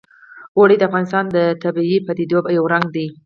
اوړي د افغانستان د طبیعي پدیدو یو رنګ دی.